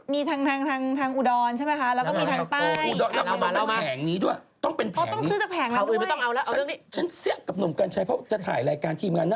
มีทางอุดรใช่ไหมคะ